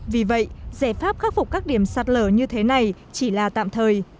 vì vậy giải pháp khắc phục các điểm sạt lở như thế này chỉ là tạm thời